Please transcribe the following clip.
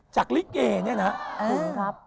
จากลิเกเนี่ยนะ